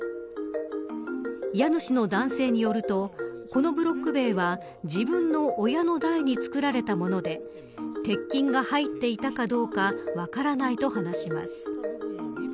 家主の男性によるとこのブロック塀は自分の親の代に作られたもので鉄筋が入っていたかどうか分からないと話します。